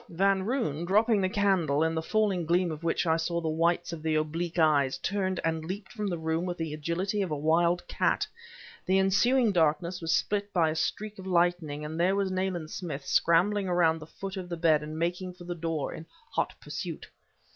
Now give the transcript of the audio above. Van Roon, dropping the candle, in the falling gleam of which I saw the whites of the oblique eyes turned and leaped from the room with the agility of a wild cat. The ensuing darkness was split by a streak of lightning... and there was Nayland Smith scrambling around the foot of the bed and making for the door in hot pursuit.